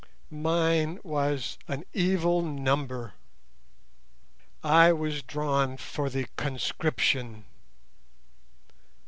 Mine was an evil number; I was drawn for the conscription.